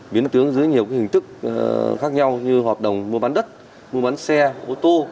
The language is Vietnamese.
biến tướng dưới nhiều hình thức khác nhau như hoạt động mua bán đất mua bán xe ô tô